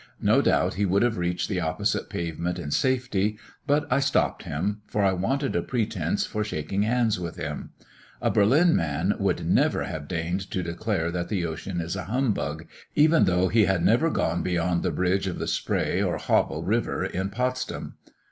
No doubt he would have reached the opposite pavement in safety; but I stopped him, for I wanted a pretence for shaking hands with him. A Berlin man would never have deigned to declare that the ocean is a humbug, even though he had never gone beyond the bridges of the Spree or Havel river at Potsdam.